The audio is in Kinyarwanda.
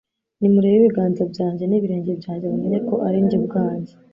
Nimurebe ibiganza byanjye n'ibirenge byanjye mumenye ko ari njye ubwanjye,